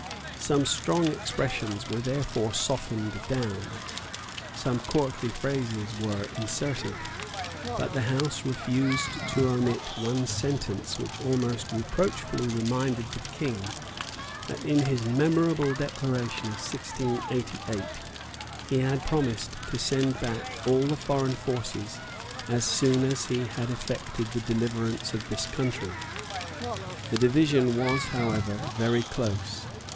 Some strong expressions were therefore softened down; some courtly phrases were inserted; but the House refused to omit one sentence which almost reproachfully reminded the King that in his memorable Declaration of 1688 he had promised to send back all the foreign forces as soon as he had effected the deliverance of this country. The division was, however, very close.